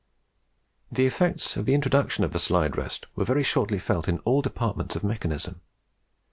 The effects of the introduction of the slide rest were very shortly felt in all departments of mechanism.